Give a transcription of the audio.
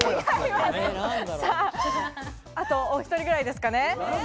後、お１人ぐらいですかね。